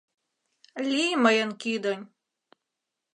Лий мыйын кӱдынь —